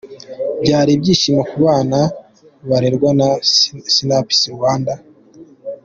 Byari ibyishimo kubana barerwa na Sinapis Rwanda.